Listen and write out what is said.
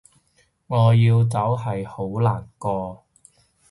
我要走係好難過